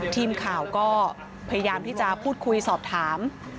ทีมข่าวก็พยายามที่จะพูดคุยสอบถาม